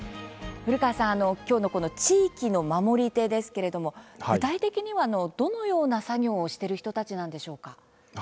古川さん、今日のこの地域の守り手ですけれども具体的にはどのような作業をしている人たちなんでしょうか。